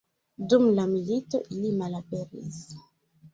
Dum la milito ili malaperis.